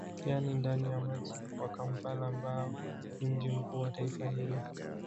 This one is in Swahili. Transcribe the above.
Yani ndani ya mji wa Kampala ambao ni mji mkuu wa taifa hilo